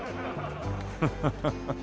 ハハハハ！